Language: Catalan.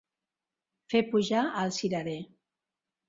Fer pujar al cirerer.